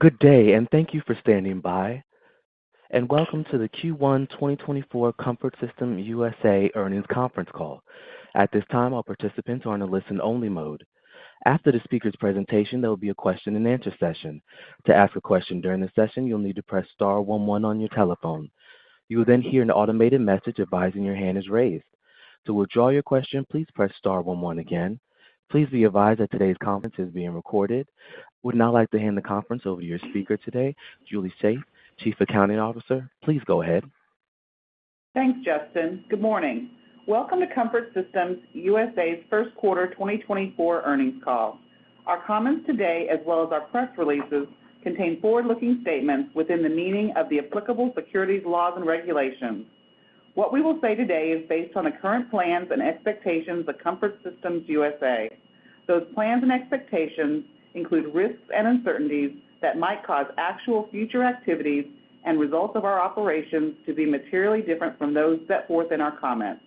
Good day, and thank you for standing by. Welcome to the Q1 2024 Comfort Systems USA earnings conference call. At this time, our participants are in a listen-only mode. After the speaker's presentation, there will be a question-and-answer session. To ask a question during the session, you'll need to press star one one on your telephone. You will then hear an automated message advising your hand is raised. To withdraw your question, please press star one one again. Please be advised that today's conference is being recorded. Would now like to hand the conference over to your speaker today, Julie Shaeff, Chief Accounting Officer. Please go ahead. Thanks, Justin. Good morning. Welcome to Comfort Systems USA's Q1 2024 earnings call. Our comments today, as well as our press releases, contain forward-looking statements within the meaning of the applicable securities laws and regulations. What we will say today is based on the current plans and expectations of Comfort Systems USA. Those plans and expectations include risks and uncertainties that might cause actual future activities and results of our operations to be materially different from those set forth in our comments.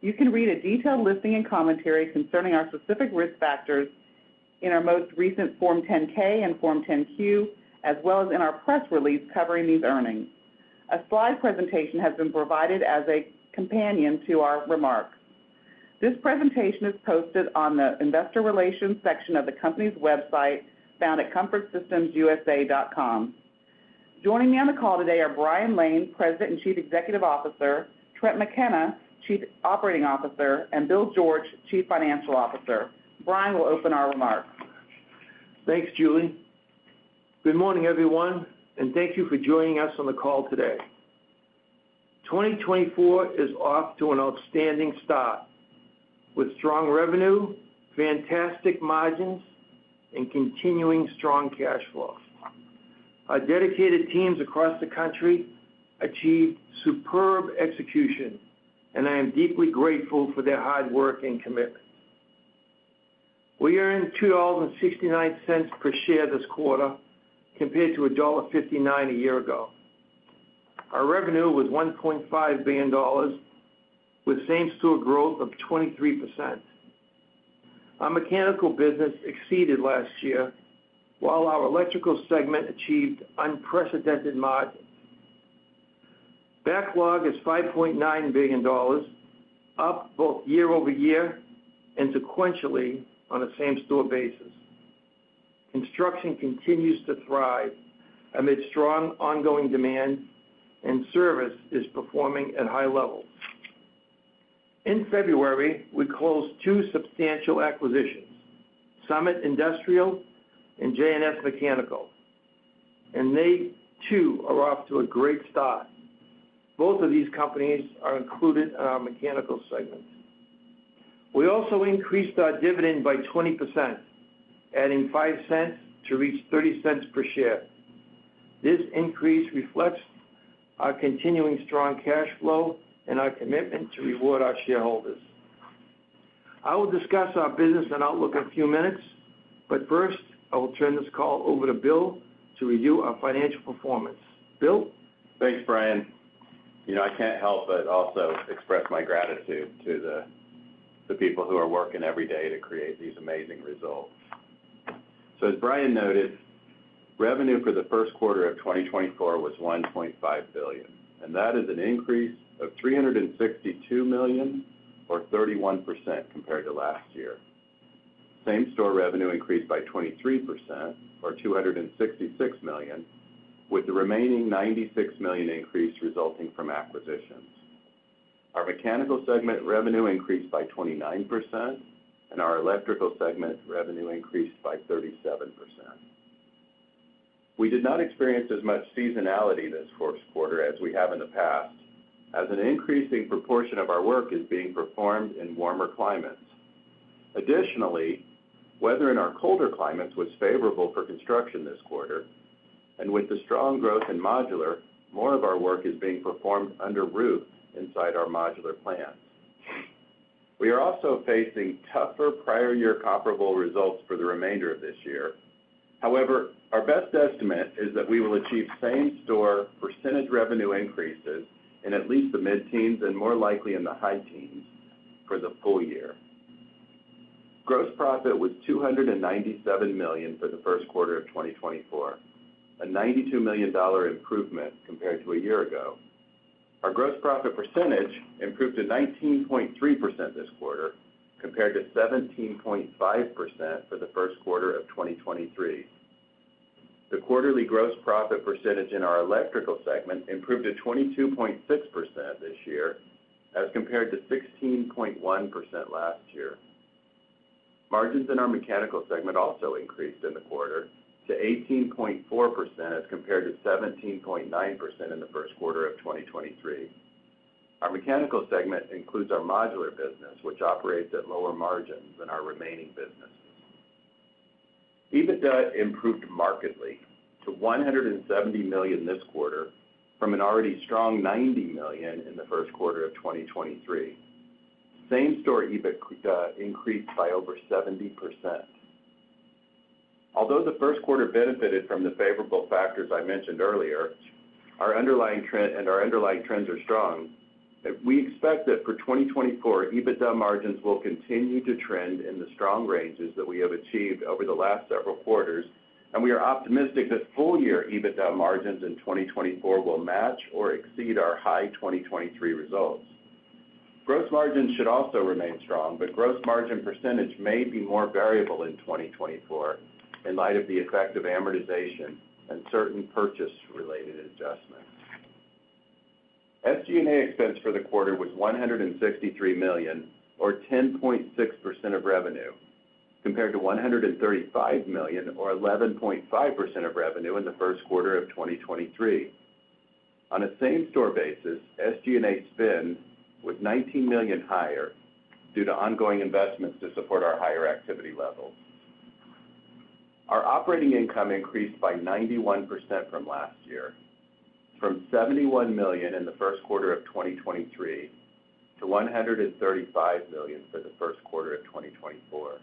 You can read a detailed listing and commentary concerning our specific risk factors in our most recent Form 10-K and Form 10-Q, as well as in our press release covering these earnings. A slide presentation has been provided as a companion to our remarks. This presentation is posted on the Investor Relations section of the company's website found at comfortsystemsusa.com. Joining me on the call today are Brian Lane, President and Chief Executive Officer, Trent McKenna, Chief Operating Officer, and Bill George, Chief Financial Officer. Brian will open our remarks. Thanks, Julie. Good morning, everyone, and thank you for joining us on the call today. 2024 is off to an outstanding start with strong revenue, fantastic margins, and continuing strong cash flow. Our dedicated teams across the country achieved superb execution, and I am deeply grateful for their hard work and commitment. We are in $2.69 per share this quarter compared to $1.59 a year ago. Our revenue was $1.5 billion, with same-store growth of 23%. Our mechanical business exceeded last year, while our electrical segment achieved unprecedented margins. Backlog is $5.9 billion, up both year-over-year and sequentially on a same-store basis. Construction continues to thrive amid strong ongoing demand, and service is performing at high levels. In February, we closed two substantial acquisitions, Summit Industrial and J&S Mechanical, and they, too, are off to a great start. Both of these companies are included in our mechanical segment. We also increased our dividend by 20%, adding $0.05 to reach $0.30 per share. This increase reflects our continuing strong cash flow and our commitment to reward our shareholders. I will discuss our business and outlook in a few minutes, but first, I will turn this call over to Bill to review our financial performance. Bill? Thanks, Brian. I can't help but also express my gratitude to the people who are working every day to create these amazing results. So, as Brian noted, revenue for the Q1 of 2024 was $1.5 billion, and that is an increase of $362 million, or 31%, compared to last year. Same-store revenue increased by 23%, or $266 million, with the remaining $96 million increase resulting from acquisitions. Our mechanical segment revenue increased by 29%, and our electrical segment revenue increased by 37%. We did not experience as much seasonality this Q1 as we have in the past, as an increasing proportion of our work is being performed in warmer climates. Additionally, weather in our colder climates was favorable for construction this quarter, and with the strong growth in modular, more of our work is being performed under roof inside our modular plants. We are also facing tougher prior-year comparable results for the remainder of this year. However, our best estimate is that we will achieve same-store percentage revenue increases in at least the mid-teens and more likely in the high-teens for the full year. Gross profit was $297 million for the Q1 of 2024, a $92 million improvement compared to a year ago. Our gross profit percentage improved to 19.3% this quarter compared to 17.5% for the Q1 of 2023. The quarterly gross profit percentage in our electrical segment improved to 22.6% this year as compared to 16.1% last year. Margins in our mechanical segment also increased in the quarter to 18.4% as compared to 17.9% in the Q1 of 2023. Our mechanical segment includes our modular business, which operates at lower margins than our remaining businesses. EBITDA improved markedly to $170 million this quarter from an already strong $90 million in the Q1 of 2023. Same-store EBITDA increased by over 70%. Although the Q1 benefited from the favorable factors I mentioned earlier, and our underlying trends are strong, we expect that for 2024, EBITDA margins will continue to trend in the strong ranges that we have achieved over the last several quarters, and we are optimistic that full-year EBITDA margins in 2024 will match or exceed our high 2023 results. Gross margins should also remain strong, but gross margin percentage may be more variable in 2024 in light of the effect of amortization and certain purchase-related adjustments. SG&A expense for the quarter was $163 million, or 10.6% of revenue, compared to $135 million, or 11.5% of revenue in the Q1 of 2023. On a same-store basis, SG&A spend was $19 million higher due to ongoing investments to support our higher activity levels. Our operating income increased by 91% from last year, from $71 million in the Q1 of 2023 to $135 million for the Q1 of 2024.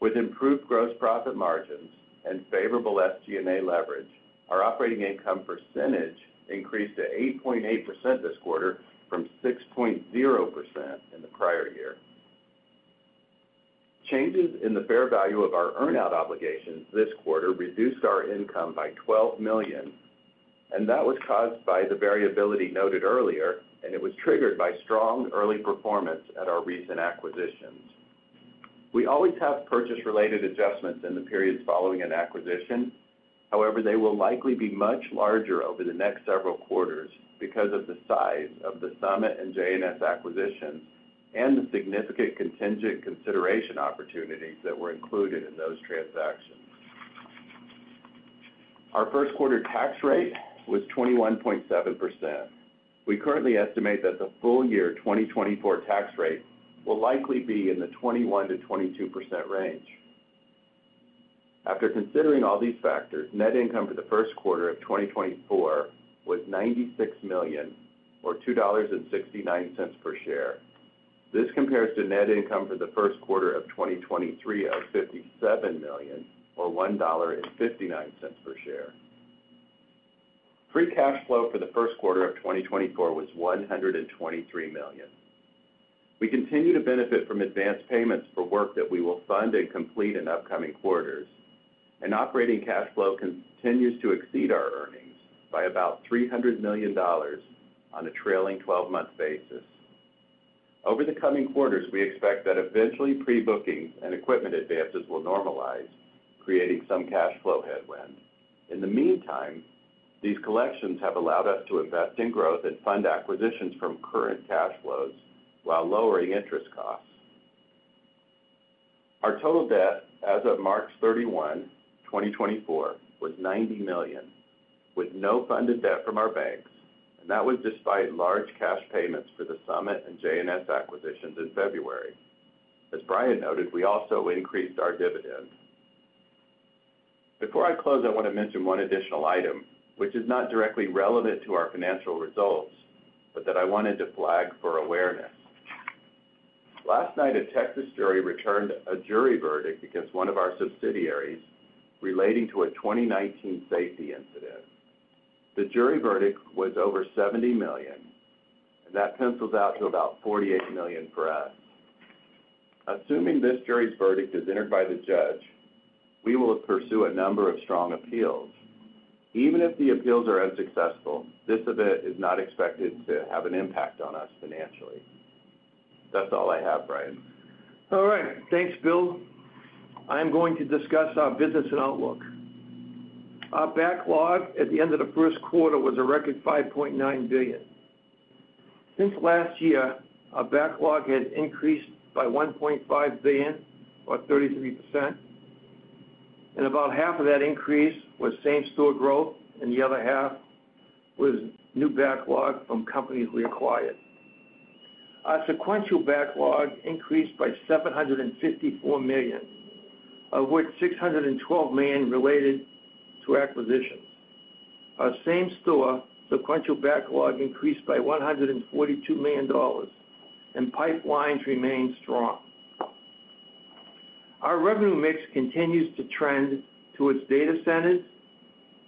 With improved gross profit margins and favorable SG&A leverage, our operating income percentage increased to 8.8% this quarter from 6.0% in the prior year. Changes in the fair value of our earnout obligations this quarter reduced our income by $12 million, and that was caused by the variability noted earlier, and it was triggered by strong early performance at our recent acquisitions. We always have purchase-related adjustments in the periods following an acquisition. However, they will likely be much larger over the next several quarters because of the size of the Summit and J&S acquisitions and the significant contingent consideration opportunities that were included in those transactions. Our first-quarter tax rate was 21.7%. We currently estimate that the full-year 2024 tax rate will likely be in the 21%-22% range. After considering all these factors, net income for the Q1 of 2024 was $96 million, or $2.69 per share. This compares to net income for the Q1 of 2023 of $57 million, or $1.59 per share. Free cash flow for the Q1 of 2024 was $123 million. We continue to benefit from advance payments for work that we will fund and complete in upcoming quarters, and operating cash flow continues to exceed our earnings by about $300 million on a trailing 12-month basis. Over the coming quarters, we expect that eventually pre-bookings and equipment advances will normalize, creating some cash flow headwind. In the meantime, these collections have allowed us to invest in growth and fund acquisitions from current cash flows while lowering interest costs. Our total debt as of March 31, 2024, was $90 million, with no funded debt from our banks, and that was despite large cash payments for the Summit and J&S acquisitions in February. As Brian noted, we also increased our dividend. Before I close, I want to mention one additional item, which is not directly relevant to our financial results but that I wanted to flag for awareness. Last night, a Texas jury returned a jury verdict against one of our subsidiaries relating to a 2019 safety incident. The jury verdict was over $70 million, and that pencils out to about $48 million for us. Assuming this jury's verdict is entered by the judge, we will pursue a number of strong appeals. Even if the appeals are unsuccessful, this event is not expected to have an impact on us financially. That's all I have, Brian. All right. Thanks, Bill. I am going to discuss our business and outlook. Our backlog at the end of the Q1 was a record $5.9 billion. Since last year, our backlog has increased by $1.5 billion, or 33%, and about half of that increase was same-store growth, and the other half was new backlog from companies we acquired. Our sequential backlog increased by $754 million, of which $612 million related to acquisitions. Our same-store sequential backlog increased by $142 million, and pipelines remain strong. Our revenue mix continues to trend towards data centers,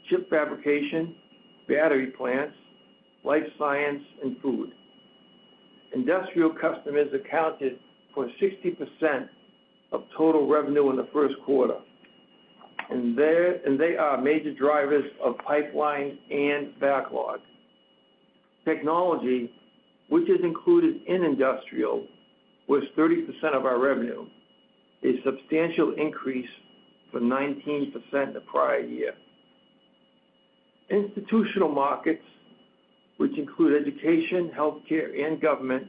chip fabrication, battery plants, life science, and food. Industrial customers accounted for 60% of total revenue in the Q1, and they are major drivers of pipeline and backlog. Technology, which is included in industrial, was 30% of our revenue, a substantial increase from 19% the prior year. Institutional markets, which include education, healthcare, and government,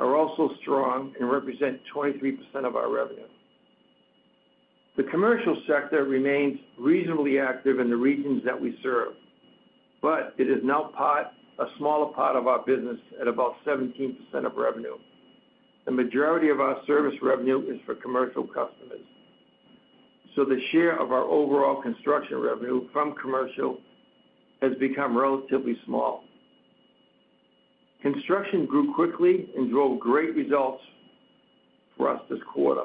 are also strong and represent 23% of our revenue. The commercial sector remains reasonably active in the regions that we serve, but it is now a smaller part of our business at about 17% of revenue. The majority of our service revenue is for commercial customers, so the share of our overall construction revenue from commercial has become relatively small. Construction grew quickly and drove great results for us this quarter.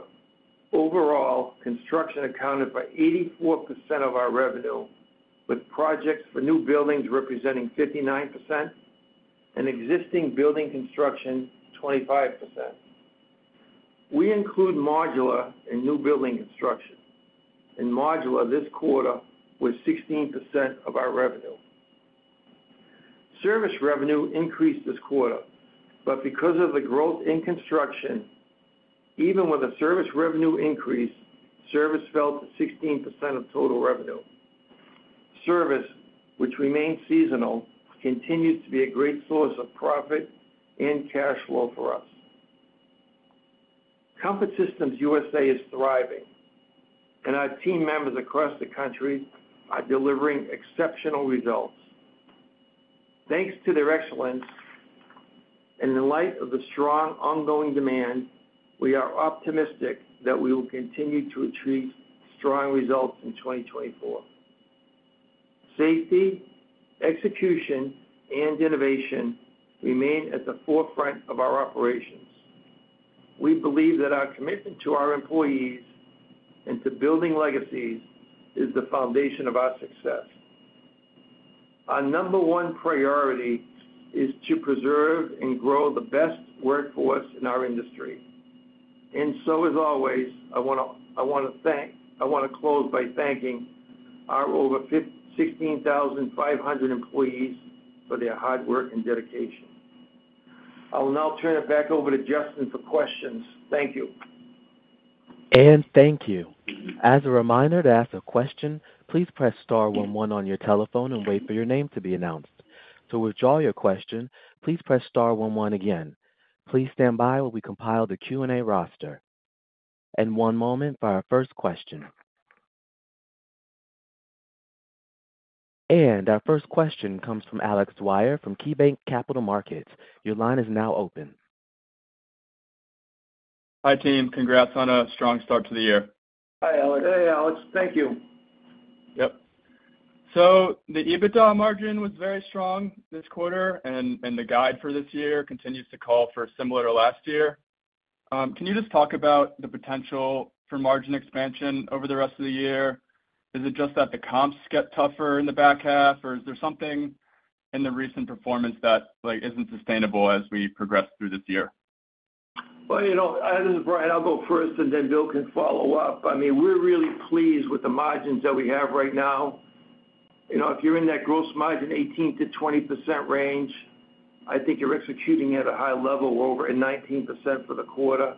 Overall, construction accounted for 84% of our revenue, with projects for new buildings representing 59% and existing building construction 25%. We include modular in new building construction. In modular, this quarter was 16% of our revenue. Service revenue increased this quarter, but because of the growth in construction, even with a service revenue increase, service fell to 16% of total revenue. Service, which remains seasonal, continues to be a great source of profit and cash flow for us. Comfort Systems USA is thriving, and our team members across the country are delivering exceptional results. Thanks to their excellence and in light of the strong ongoing demand, we are optimistic that we will continue to achieve strong results in 2024. Safety, execution, and innovation remain at the forefront of our operations. We believe that our commitment to our employees and to building legacies is the foundation of our success. Our number one priority is to preserve and grow the best workforce in our industry. And so, as always, I want to close by thanking our over 16,500 employees for their hard work and dedication. I will now turn it back over to Justin for questions. Thank you. Thank you. As a reminder to ask a question, please press star one one on your telephone and wait for your name to be announced. To withdraw your question, please press star one one again. Please stand by while we compile the Q&A roster. One moment for our first question. Our first question comes from Alex Dwyer from KeyBanc Capital Markets. Your line is now open. Hi, team. Congrats on a strong start to the year. Hi, Alex. Hey, Alex. Thank you. Yep. So the EBITDA margin was very strong this quarter, and the guide for this year continues to call for similar to last year. Can you just talk about the potential for margin expansion over the rest of the year? Is it just that the comps get tougher in the back half, or is there something in the recent performance that isn't sustainable as we progress through this year? Well, this is Brian. I'll go first, and then Bill can follow up. I mean, we're really pleased with the margins that we have right now. If you're in that gross margin 18%-20% range, I think you're executing at a high level. We're over at 19% for the quarter.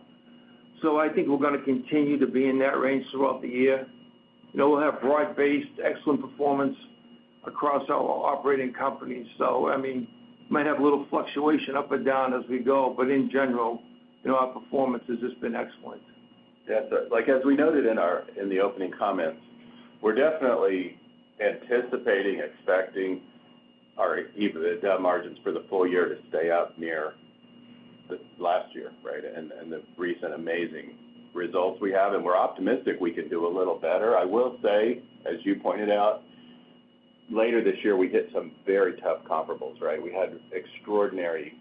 So I think we're going to continue to be in that range throughout the year. We'll have broad-based, excellent performance across our operating companies. So I mean, we might have a little fluctuation up and down as we go, but in general, our performance has just been excellent. Yeah. As we noted in the opening comments, we're definitely anticipating, expecting our EBITDA margins for the full year to stay up near last year, right, and the recent amazing results we have. And we're optimistic we can do a little better. I will say, as you pointed out, later this year, we hit some very tough comparables, right? We had extraordinary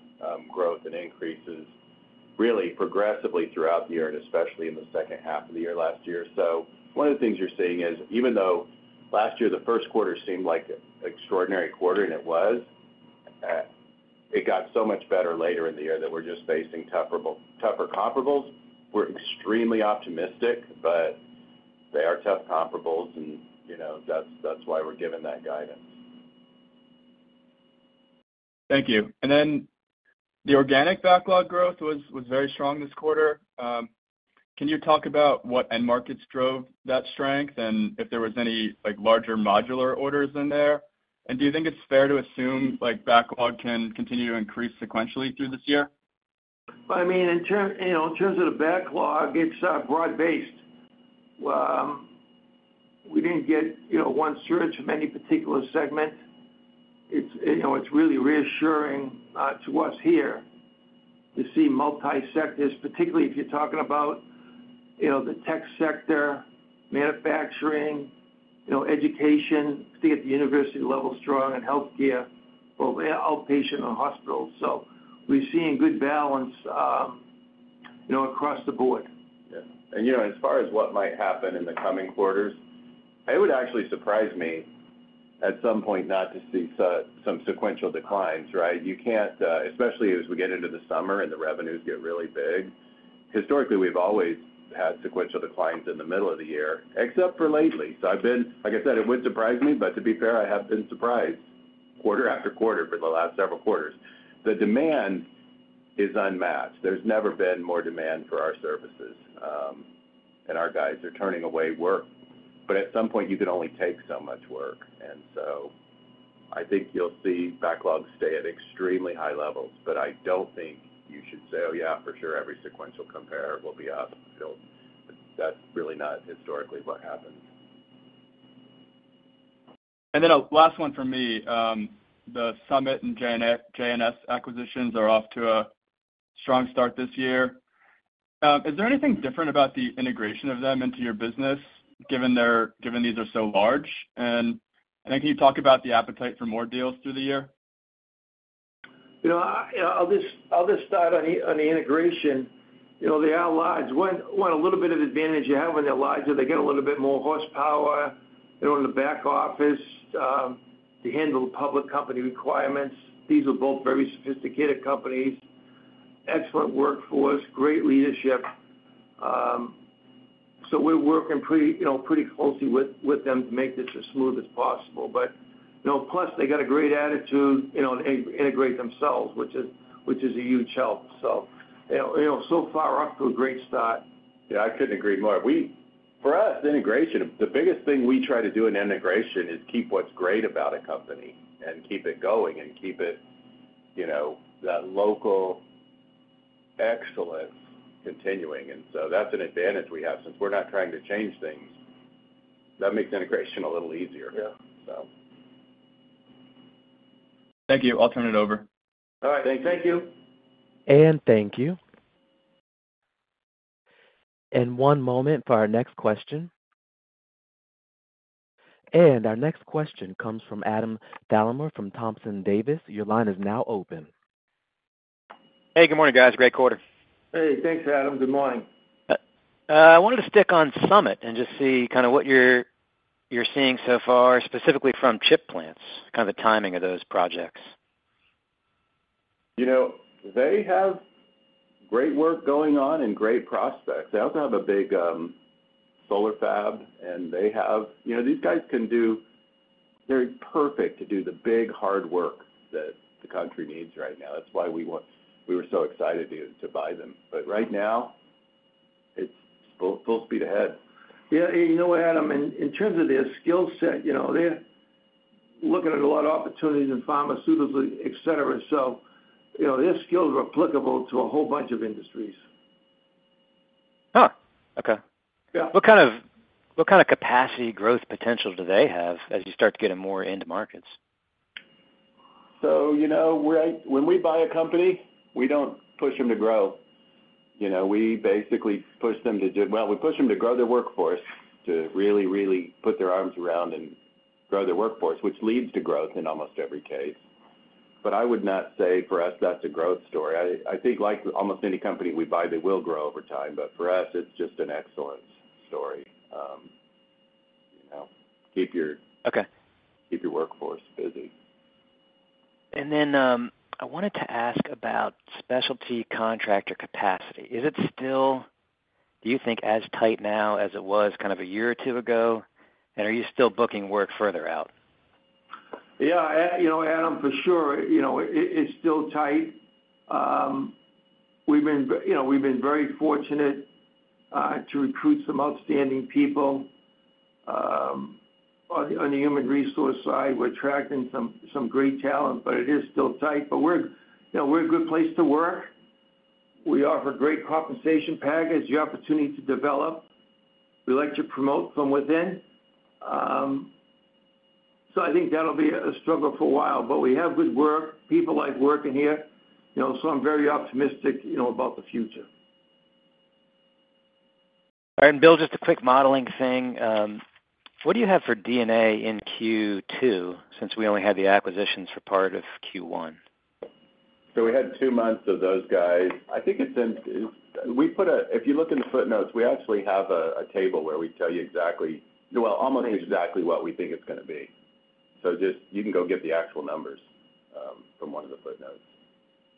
growth and increases really progressively throughout the year and especially in the second half of the year last year. So one of the things you're seeing is, even though last year the Q1 seemed like an extraordinary quarter, and it was, it got so much better later in the year that we're just facing tougher comparables. We're extremely optimistic, but they are tough comparables, and that's why we're given that guidance. Thank you. And then the organic backlog growth was very strong this quarter. Can you talk about what end markets drove that strength and if there was any larger modular orders in there? And do you think it's fair to assume backlog can continue to increase sequentially through this year? Well, I mean, in terms of the backlog, it's broad-based. We didn't get one surge from any particular segment. It's really reassuring to us here to see multi-sectors, particularly if you're talking about the tech sector, manufacturing, education, particularly at the university level strong, and healthcare, both outpatient and hospitals. So we're seeing good balance across the board. Yeah. And as far as what might happen in the coming quarters, it would actually surprise me at some point not to see some sequential declines, right? Especially as we get into the summer and the revenues get really big. Historically, we've always had sequential declines in the middle of the year, except for lately. So like I said, it would surprise me, but to be fair, I have been surprised quarter after quarter for the last several quarters. The demand is unmatched. There's never been more demand for our services, and our guys are turning away work. But at some point, you can only take so much work. And so I think you'll see backlogs stay at extremely high levels, but I don't think you should say, "Oh yeah, for sure, every sequential compare will be up." That's really not historically what happens. And then a last one from me. The Summit and J&S acquisitions are off to a strong start this year. Is there anything different about the integration of them into your business given these are so large? And then can you talk about the appetite for more deals through the year? I'll just start on the integration. The Allieds, what a little bit of advantage you have on the Allieds, they get a little bit more horsepower in the back office to handle the public company requirements. These are both very sophisticated companies, excellent workforce, great leadership. So we're working pretty closely with them to make this as smooth as possible. But plus, they got a great attitude to integrate themselves, which is a huge help. So so far, off to a great start. Yeah. I couldn't agree more. For us, integration, the biggest thing we try to do in integration is keep what's great about a company and keep it going and keep that local excellence continuing. And so that's an advantage we have since we're not trying to change things. That makes integration a little easier, so. Thank you. I'll turn it over. All right. Thank you. Thank you. One moment for our next question. Our next question comes from Adam Thalhimer from Thompson Davis. Your line is now open. Hey. Good morning, guys. Great quarter. Hey. Thanks, Adam. Good morning. I wanted to stick on Summit and just see kind of what you're seeing so far, specifically from chip plants, kind of the timing of those projects? They have great work going on and great prospects. They also have a big solar fab, and they have these guys can do. They're perfect to do the big, hard work that the country needs right now. That's why we were so excited to buy them. But right now, it's full speed ahead. Yeah. You know what, Adam? In terms of their skill set, they're looking at a lot of opportunities in pharmaceuticals, etc. So their skills are applicable to a whole bunch of industries. Okay. What kind of capacity growth potential do they have as you start to get them more into markets? So when we buy a company, we don't push them to grow. We basically push them to well, we push them to grow their workforce, to really, really put their arms around and grow their workforce, which leads to growth in almost every case. But I would not say for us, that's a growth story. I think almost any company we buy, they will grow over time. But for us, it's just an excellence story. Keep your workforce busy. I wanted to ask about specialty contractor capacity. Is it still, do you think, as tight now as it was kind of a year or two ago? And are you still booking work further out? Yeah. You know what, Adam? For sure, it's still tight. We've been very fortunate to recruit some outstanding people on the human resource side. We're attracting some great talent, but it is still tight. But we're a good place to work. We offer great compensation packages, the opportunity to develop. We like to promote from within. So I think that'll be a struggle for a while. But we have good work, people like working here. So I'm very optimistic about the future. All right. And Bill, just a quick modeling thing. What do you have for D&A in Q2 since we only had the acquisitions for part of Q1? So we had two months of those guys. I think it's in we put a if you look in the footnotes, we actually have a table where we tell you exactly well, almost exactly what we think it's going to be. So you can go get the actual numbers from one of the footnotes.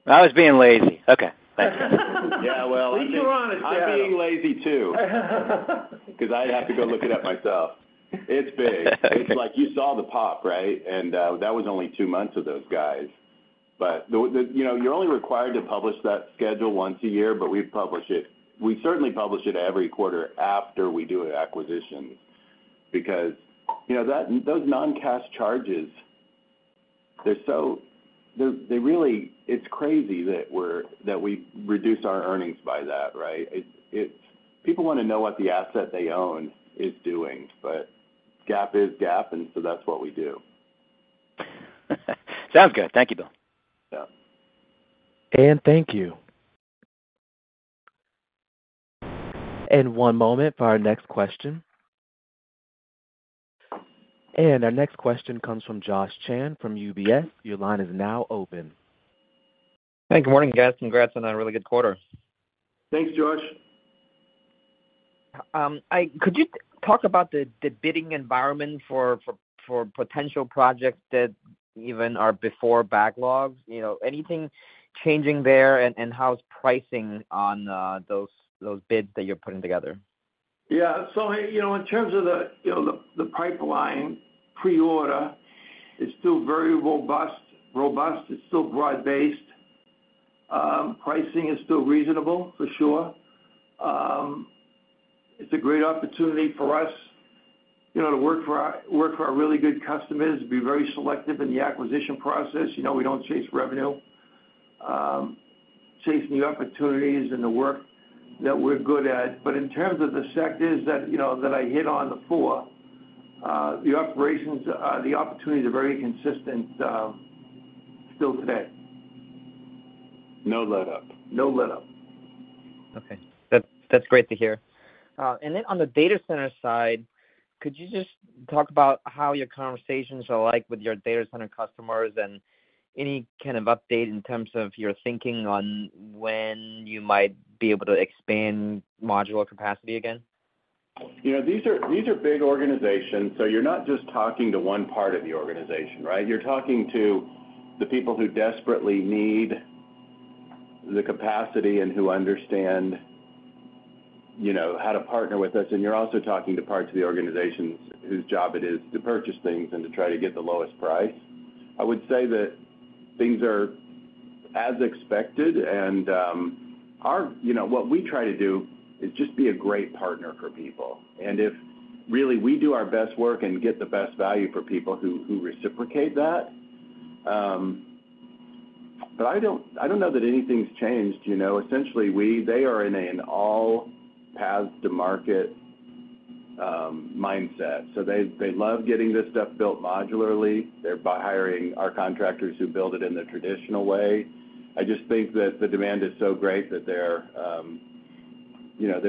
I was being lazy. Okay. Thank you. Yeah. Well, I think. Keep you honest. I'm being lazy too because I'd have to go look it up myself. It's big. It's like you saw the pop, right? And that was only two months of those guys. But you're only required to publish that schedule once a year, but we publish it. We certainly publish it every quarter after we do an acquisition because those non-cash charges, they're so it's crazy that we reduce our earnings by that, right? People want to know what the asset they own is doing, but GAAP is GAAP, and so that's what we do. Sounds good. Thank you, Bill. Yeah. Thank you. One moment for our next question. Our next question comes from Josh Chan from UBS. Your line is now open. Hey. Good morning, guys. Congrats on a really good quarter. Thanks, Josh. Could you talk about the bidding environment for potential projects that even are before backlogs? Anything changing there, and how's pricing on those bids that you're putting together? Yeah. So in terms of the pipeline, pre-order, it's still very robust. It's still broad-based. Pricing is still reasonable, for sure. It's a great opportunity for us to work for our really good customers, be very selective in the acquisition process. We don't chase revenue, chase new opportunities in the work that we're good at. But in terms of the sectors that I hit on before, the opportunities are very consistent still today. No letup. No letup. Okay. That's great to hear. And then on the data center side, could you just talk about how your conversations are like with your data center customers and any kind of update in terms of your thinking on when you might be able to expand modular capacity again? These are big organizations, so you're not just talking to one part of the organization, right? You're talking to the people who desperately need the capacity and who understand how to partner with us. And you're also talking to parts of the organizations whose job it is to purchase things and to try to get the lowest price. I would say that things are as expected. And what we try to do is just be a great partner for people. And if really we do our best work and get the best value for people who reciprocate that. But I don't know that anything's changed. Essentially, they are in an all-path-to-market mindset. So they love getting this stuff built modularly. They're hiring our contractors who build it in the traditional way. I just think that the demand is so great that they're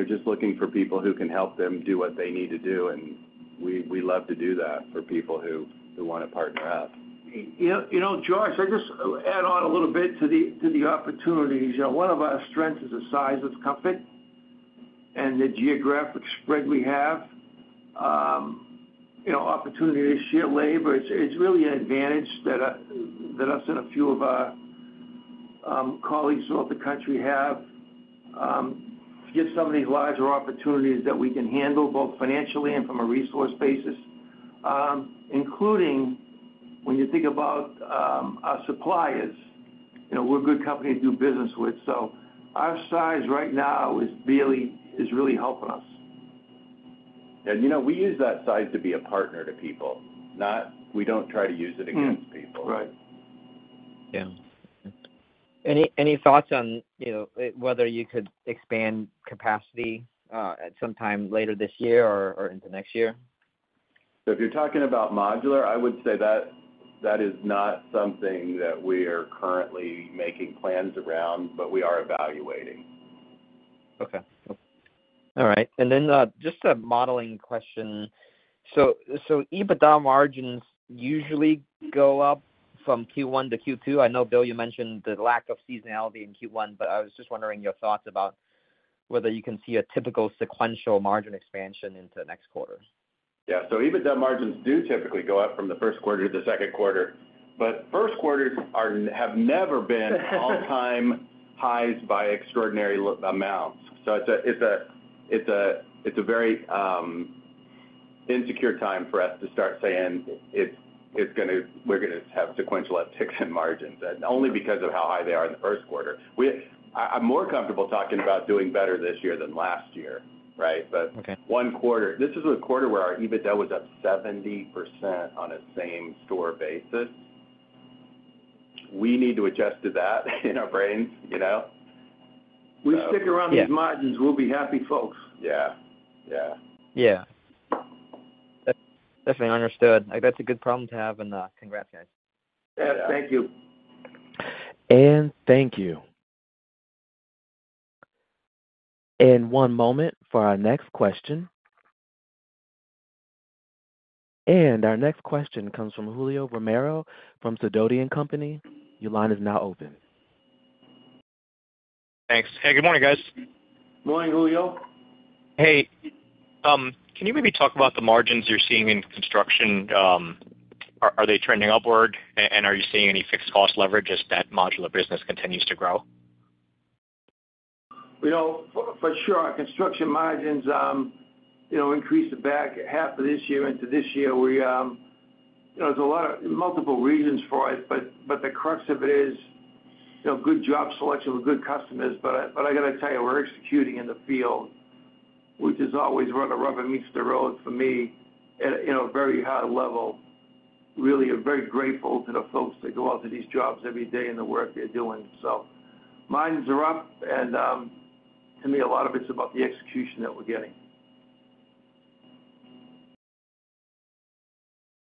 just looking for people who can help them do what they need to do. We love to do that for people who want to partner up. Josh, I'd just add on a little bit to the opportunities. One of our strengths is the size of the company and the geographic spread we have. Opportunity to share labor, it's really an advantage that us and a few of our colleagues throughout the country have to get some of these larger opportunities that we can handle both financially and from a resource basis, including when you think about our suppliers. We're a good company to do business with. So our size right now is really helping us. Yeah. We use that size to be a partner to people. We don't try to use it against people. Yeah. Any thoughts on whether you could expand capacity at some time later this year or into next year? If you're talking about modular, I would say that is not something that we are currently making plans around, but we are evaluating. Okay. All right. And then just a modeling question. So EBITDA margins usually go up from Q1 to Q2. I know, Bill, you mentioned the lack of seasonality in Q1, but I was just wondering your thoughts about whether you can see a typical sequential margin expansion into next quarter? Yeah. So EBITDA margins do typically go up from the Q1 to the Q2. But Q1s have never been all-time highs by extraordinary amounts. So it's a very insecure time for us to start saying we're going to have sequential upticks in margins only because of how high they are in the Q1. I'm more comfortable talking about doing better this year than last year, right? But one quarter this is a quarter where our EBITDA was up 70% on a same-store basis. We need to adjust to that in our brains. We stick around these margins. We'll be happy folks. Yeah. Yeah. Yeah. Definitely understood. That's a good problem to have, and congrats, guys. Yeah. Thank you. Thank you. One moment for our next question. Our next question comes from Julio Romero from Sidoti & Company. Your line is now open. Thanks. Hey. Good morning, guys. Morning, Julio. Hey. Can you maybe talk about the margins you're seeing in construction? Are they trending upward, and are you seeing any fixed-cost leverage as that modular business continues to grow? For sure. Our construction margins increased back half of this year into this year. There's a lot of multiple reasons for it, but the crux of it is good job selection with good customers. But I got to tell you, we're executing in the field, which is always where the rubber meets the road for me at a very high level. Really, I'm very grateful to the folks that go out to these jobs every day and the work they're doing. So margins are up, and to me, a lot of it's about the execution that we're getting.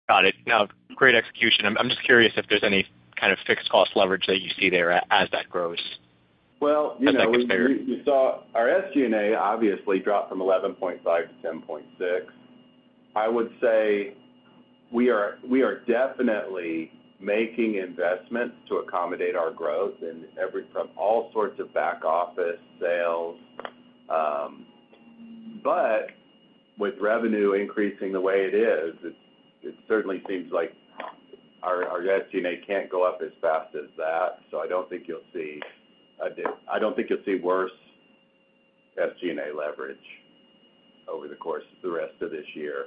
Got it. Now, great execution. I'm just curious if there's any kind of fixed-cost leverage that you see there as that grows. Well, our SG&A, obviously, dropped from 11.5% to 10.6%. I would say we are definitely making investments to accommodate our growth from all sorts of back-office sales. But with revenue increasing the way it is, it certainly seems like our SG&A can't go up as fast as that. So I don't think you'll see worse SG&A leverage over the course of the rest of this year.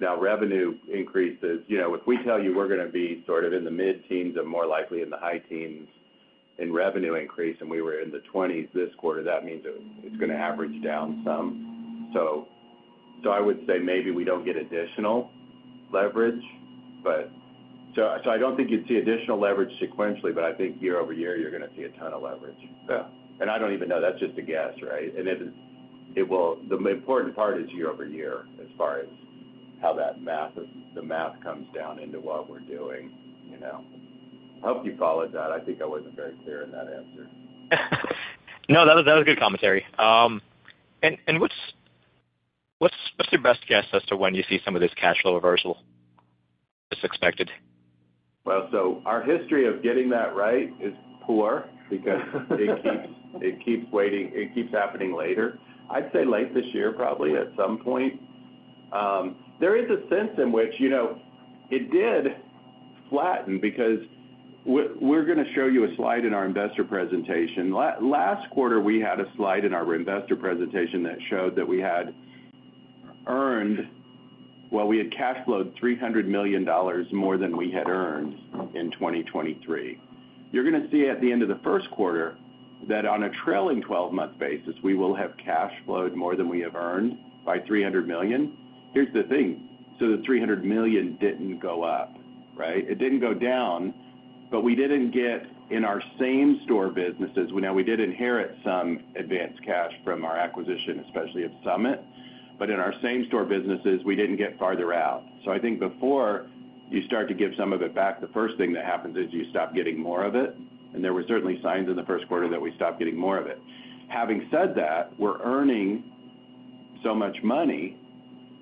Now, revenue increases. If we tell you we're going to be sort of in the mid-teens% and more likely in the high-teens% in revenue increase, and we were in the 20s% this quarter, that means it's going to average down some. So I would say maybe we don't get additional leverage. So I don't think you'd see additional leverage sequentially, but I think year-over-year, you're going to see a ton of leverage. I don't even know. That's just a guess, right? And the important part is year over year as far as how the math comes down into what we're doing. I hope you followed that. I think I wasn't very clear in that answer. No. That was good commentary. What's your best guess as to when you see some of this cash flow reversal as expected? Well, so our history of getting that right is poor because it keeps waiting. It keeps happening later. I'd say late this year, probably, at some point. There is a sense in which it did flatten because we're going to show you a slide in our investor presentation. Last quarter, we had a slide in our investor presentation that showed that we had earned. Well, we had cash flowed $300 million more than we had earned in 2023. You're going to see at the end of the Q1 that on a trailing 12-month basis, we will have cash flowed more than we have earned by $300 million. Here's the thing. So the $300 million didn't go up, right? It didn't go down, but we didn't get in our same-store businesses now, we did inherit some advanced cash from our acquisition, especially at Summit. But in our same-store businesses, we didn't get farther out. So I think before you start to give some of it back, the first thing that happens is you stop getting more of it. And there were certainly signs in the Q1 that we stopped getting more of it. Having said that, we're earning so much money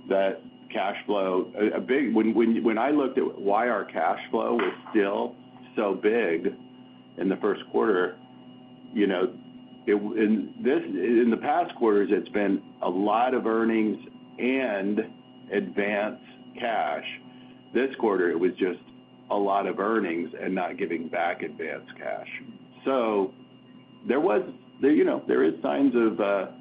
that cash flow when I looked at why our cash flow was still so big in the Q1 in the past quarters, it's been a lot of earnings and advanced cash. This quarter, it was just a lot of earnings and not giving back advanced cash. So there is signs of that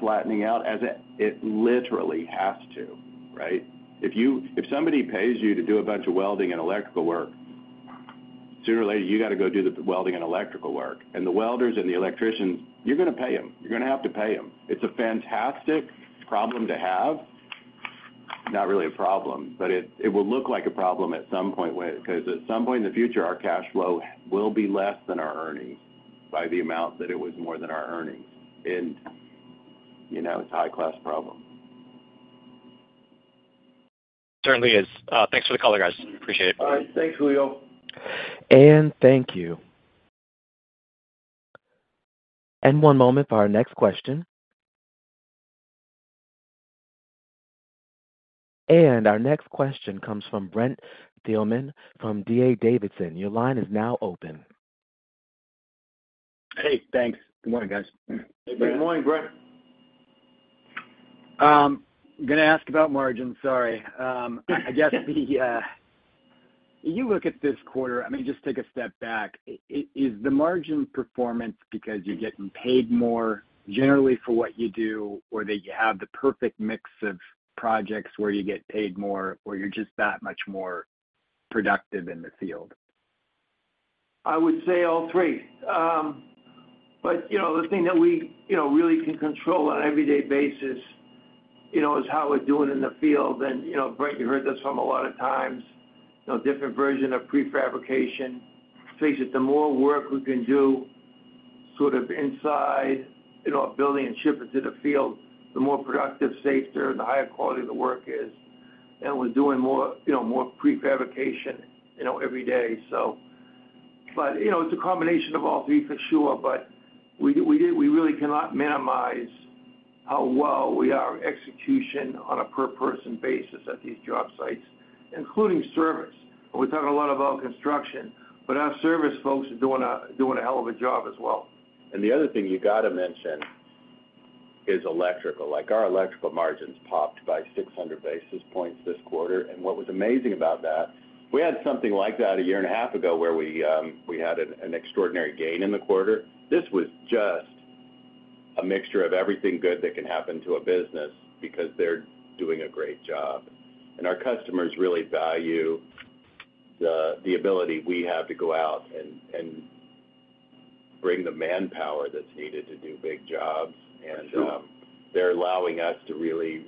flattening out as it literally has to, right? If somebody pays you to do a bunch of welding and electrical work, sooner or later, you got to go do the welding and electrical work. The welders and the electricians, you're going to pay them. You're going to have to pay them. It's a fantastic problem to have, not really a problem, but it will look like a problem at some point because at some point in the future, our cash flow will be less than our earnings by the amount that it was more than our earnings. It's a high-class problem. Certainly is. Thanks for the call, guys. Appreciate it. All right. Thanks, Julio. Thank you. One moment for our next question. Our next question comes from Brent Thielman from D.A. Davidson. Your line is now open. Hey. Thanks. Good morning, guys. Hey, Brent. Good morning, Brent. I'm going to ask about margins. Sorry. I guess you look at this quarter I mean, just take a step back. Is the margin performance because you're getting paid more generally for what you do, or that you have the perfect mix of projects where you get paid more, or you're just that much more productive in the field? I would say all three. But the thing that we really can control on an everyday basis is how we're doing in the field. And, Brent, you heard this from a lot of times, different version of prefabrication. The more work we can do sort of inside building and shipping to the field, the more productive, safer, and the higher quality of the work is. And we're doing more prefabrication every day, so. But it's a combination of all three, for sure. But we really cannot minimize how well we are executing on a per-person basis at these job sites, including service. And we talk a lot about construction, but our service folks are doing a hell of a job as well. And the other thing you got to mention is electrical. Our electrical margins popped by 600 basis points this quarter. And what was amazing about that, we had something like that a year and a half ago where we had an extraordinary gain in the quarter. This was just a mixture of everything good that can happen to a business because they're doing a great job. And our customers really value the ability we have to go out and bring the manpower that's needed to do big jobs. And they're allowing us to really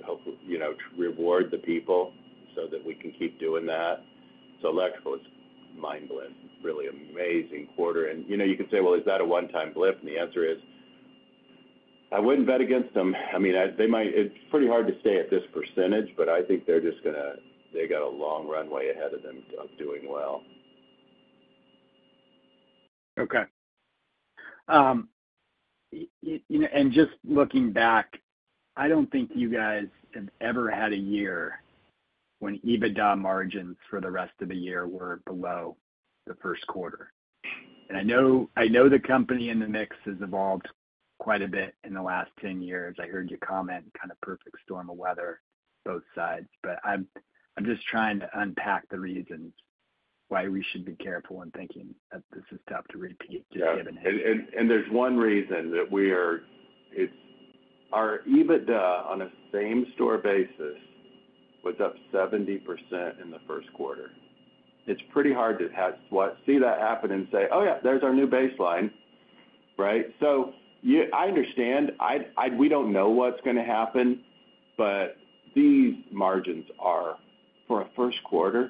reward the people so that we can keep doing that. So electrical is mind-blowing. Really amazing quarter. And you could say, "Well, is that a one-time blip?" And the answer is, I wouldn't bet against them. I mean, it's pretty hard to say at this percentage, but I think they're just going to they got a long runway ahead of them of doing well. Okay. And just looking back, I don't think you guys have ever had a year when EBITDA margins for the rest of the year were below the Q1. And I know the company in the mix has evolved quite a bit in the last 10 years. I heard you comment, kind of perfect storm of weather, both sides. But I'm just trying to unpack the reasons why we should be careful in thinking that this is tough to repeat just given how. Yeah. And there's one reason that our EBITDA on a same-store basis was up 70% in the Q1. It's pretty hard to see that happen and say, "Oh, yeah. There's our new baseline," right? So I understand. We don't know what's going to happen, but these margins are for a Q1,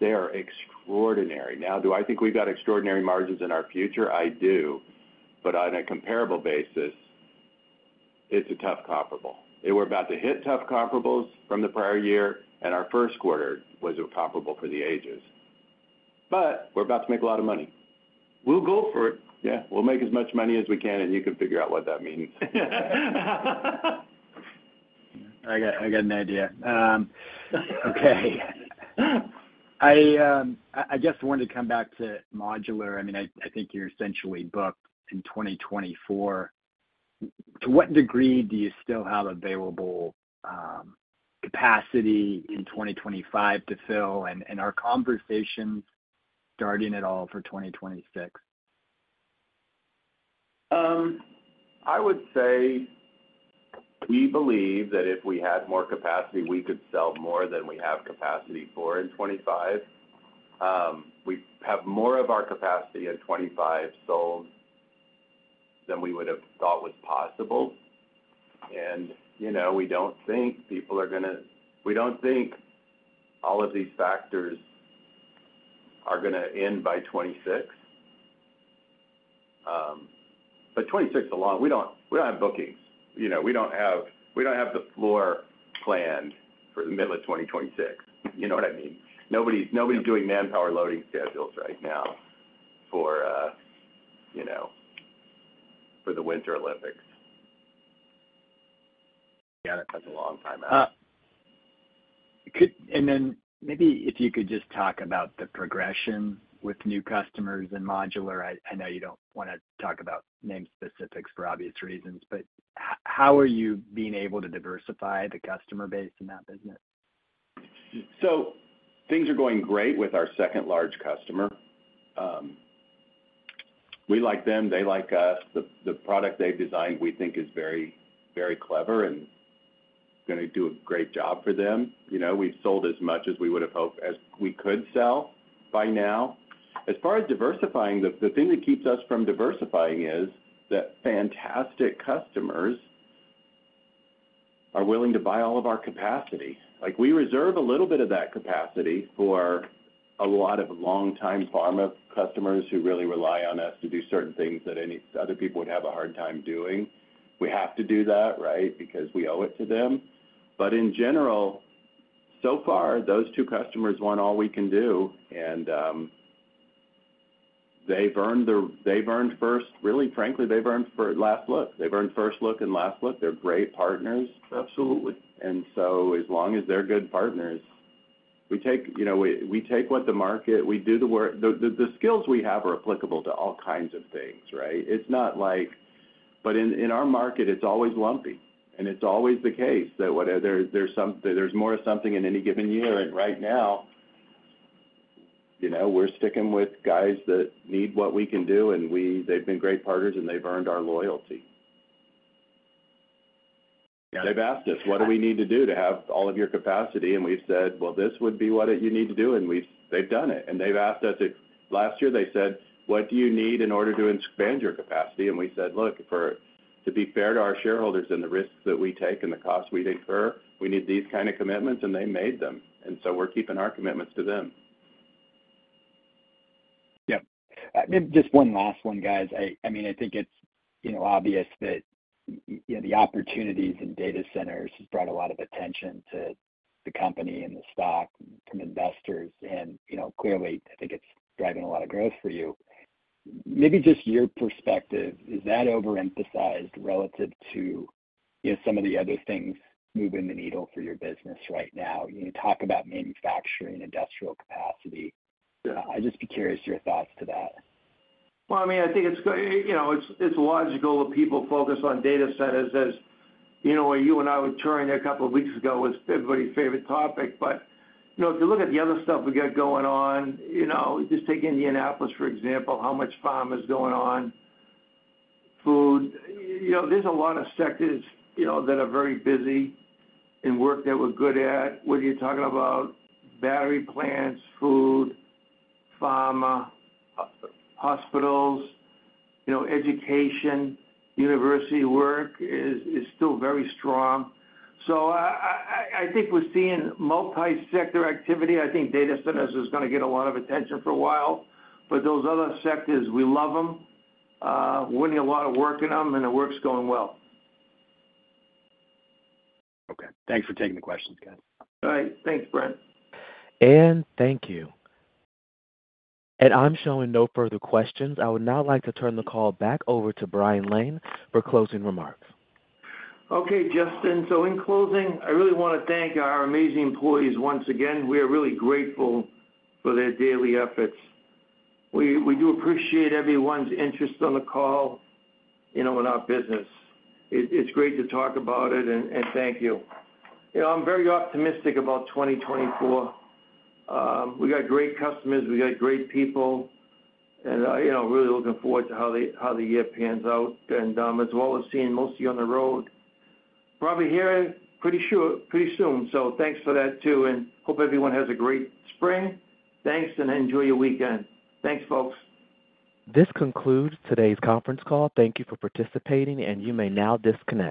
they are extraordinary. Now, do I think we've got extraordinary margins in our future? I do. But on a comparable basis, it's a tough comparable. We're about to hit tough comparables from the prior year, and our Q1 was a comparable for the ages. But we're about to make a lot of money. We'll go for it. Yeah. We'll make as much money as we can, and you can figure out what that means. I got an idea. Okay. I just wanted to come back to modular. I mean, I think you're essentially booked in 2024. To what degree do you still have available capacity in 2025 to fill and our conversation starting at all for 2026? I would say we believe that if we had more capacity, we could sell more than we have capacity for in 2025. We have more of our capacity in 2025 sold than we would have thought was possible. We don't think all of these factors are going to end by 2026. 2026 is a long we don't have bookings. We don't have the floor planned for the middle of 2026. You know what I mean? Nobody's doing manpower loading schedules right now for the Winter Olympics. That's a long time out. Maybe if you could just talk about the progression with new customers in modular. I know you don't want to talk about name specifics for obvious reasons, but how are you being able to diversify the customer base in that business? So things are going great with our second-large customer. We like them. They like us. The product they've designed, we think, is very, very clever and going to do a great job for them. We've sold as much as we would have hoped we could sell by now. As far as diversifying, the thing that keeps us from diversifying is that fantastic customers are willing to buy all of our capacity. We reserve a little bit of that capacity for a lot of long-time pharma customers who really rely on us to do certain things that other people would have a hard time doing. We have to do that, right, because we owe it to them. But in general, so far, those two customers want all we can do, and they've earned first really, frankly, they've earned for last look. They've earned first look and last look. They're great partners. And so as long as they're good partners, we take what the market we do the work. The skills we have are applicable to all kinds of things, right? It's not like, but in our market, it's always lumpy. It's always the case that there's more of something in any given year. Right now, we're sticking with guys that need what we can do, and they've been great partners, and they've earned our loyalty. They've asked us, "What do we need to do to have all of your capacity?" We've said, "Well, this would be what you need to do." They've done it. They've asked us if last year, they said, "What do you need in order to expand your capacity?" We said, "Look, to be fair to our shareholders and the risks that we take and the costs we incur, we need these kind of commitments." They made them. So we're keeping our commitments to them. Yep. Just one last one, guys. I mean, I think it's obvious that the opportunities in data centers have brought a lot of attention to the company and the stock from investors. And clearly, I think it's driving a lot of growth for you. Maybe just your perspective, is that overemphasized relative to some of the other things moving the needle for your business right now? You talk about manufacturing, industrial capacity. I'd just be curious your thoughts to that. Well, I mean, I think it's logical that people focus on data centers as you and I were touring there a couple of weeks ago was everybody's favorite topic. But if you look at the other stuff we got going on, just take Indianapolis, for example, how much pharma is going on, food. There's a lot of sectors that are very busy in work that we're good at. What are you talking about? Battery plants, food, pharma, hospitals, education, university work is still very strong. So I think we're seeing multi-sector activity. I think data centers is going to get a lot of attention for a while. But those other sectors, we love them. We're putting a lot of work in them, and the work's going well. Okay. Thanks for taking the questions, guys. All right. Thanks, Brent. Thank you. I'm showing no further questions. I would now like to turn the call back over to Brian Lane for closing remarks. Okay, Justin. So in closing, I really want to thank our amazing employees once again. We are really grateful for their daily efforts. We do appreciate everyone's interest on the call in our business. It's great to talk about it, and thank you. I'm very optimistic about 2024. We got great customers. We got great people. And really looking forward to how the year pans out and as well as seeing most of you on the road probably here pretty soon. So thanks for that too. And hope everyone has a great spring. Thanks, and enjoy your weekend. Thanks, folks. This concludes today's conference call. Thank you for participating, and you may now disconnect.